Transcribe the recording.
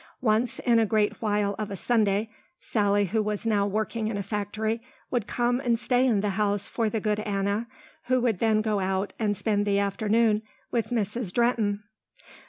Once in a great while of a Sunday, Sally who was now working in a factory would come and stay in the house for the good Anna, who would then go out and spend the afternoon with Mrs. Drehten.